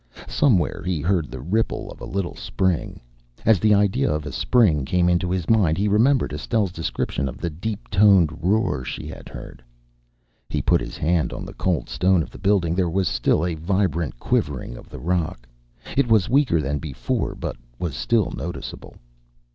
Somewhere he heard the ripple of a little spring. As the idea of a spring came into his mind, he remembered Estelle's description of the deep toned roar she had heard. He put his hand on the cold stone of the building. There was still a vibrant quivering of the rock. It was weaker than before, but was still noticeable.